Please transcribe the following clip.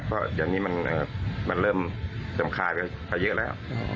เพราะเดี๋ยวนี้มันเริ่มจำคานไปเยอะแล้ว